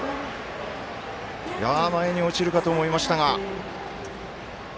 前に落ちるかと思いましたが。